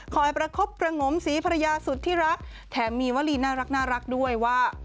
คอยประคบเปล่าหงมสีภรรยาสุดที่รักแถมมีวัลีน่ารักด้วยว่า